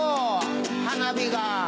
花火が。